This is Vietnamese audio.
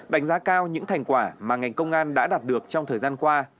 đánh giá cao những thành quả mà ngành công an đã đạt được trong thời gian qua